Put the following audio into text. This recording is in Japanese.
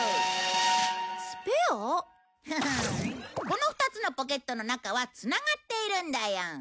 この２つのポケットの中はつながっているんだよ。